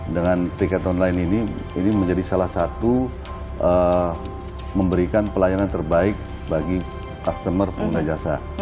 dengan tiket online ini ini menjadi salah satu memberikan pelayanan terbaik bagi customer pengguna jasa